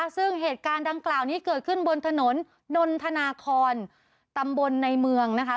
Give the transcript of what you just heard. ซึ่งเกิดขึ้นบนถนนนอนทนาคอนตำบลในเมืองนะคะ